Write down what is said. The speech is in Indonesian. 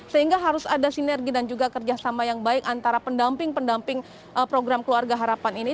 sehingga harus ada sinergi dan juga kerjasama yang baik antara pendamping pendamping program keluarga harapan ini